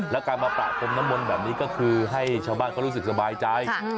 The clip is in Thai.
แล้วการมาประพรมน้ำมนต์แบบนี้ก็คือให้ชาวบ้านเขารู้สึกสบายใจ